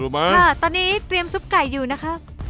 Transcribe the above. ป้อนจี๊ได้บ้าง